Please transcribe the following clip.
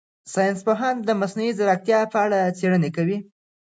ساینس پوهان د مصنوعي ځیرکتیا په اړه څېړنې کوي.